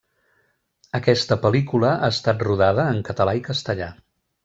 Aquesta pel·lícula ha estat rodada en català i castellà.